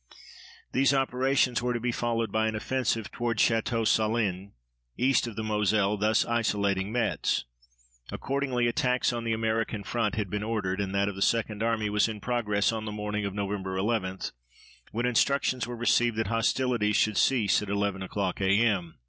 These operations were to be followed by an offensive toward Château Salins east of the Moselle, thus isolating Metz. Accordingly, attacks on the American front had been ordered, and that of the Second Army was in progress on the morning of Nov. 11 when instructions were received that hostilities should cease at 11 o'clock A. M.